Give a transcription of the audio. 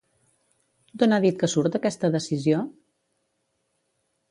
D'on ha dit que surt aquesta decisió?